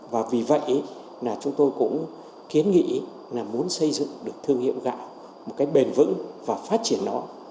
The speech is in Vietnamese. và vì vậy là chúng tôi cũng kiến nghĩ là muốn xây dựng được thương hiệu gạo một cách bền vững và phát triển nó